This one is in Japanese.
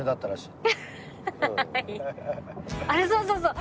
あれそうそうそう。